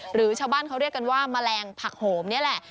หรือชาวบ้านเขาเรียกกันว่าแมลงผักโหมนี่แหละ